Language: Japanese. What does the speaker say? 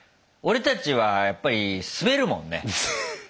俺たちはやっぱりスベるもんね。